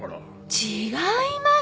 違います！